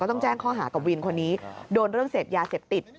ต้องแจ้งข้อหากับวินคนนี้โดนเรื่องเสพยาเสพติด